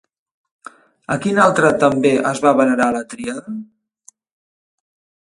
A quin altre també es va venerar la tríada?